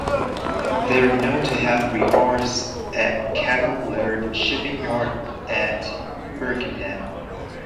They are known to have rehearsed at Cammell Laird shipping yard at Birkenhead.